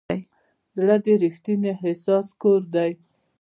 زړه د ریښتیني احساس کور دی.